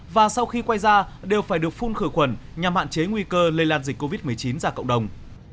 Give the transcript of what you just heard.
và sau khi quay ra đều phải được phun khử khuẩn nhằm hạn chế nguy cơ lây lan dịch covid một mươi chín ra cộng đồng